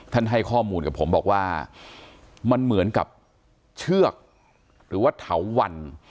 ให้ข้อมูลกับผมบอกว่ามันเหมือนกับเชือกหรือว่าเถาวัน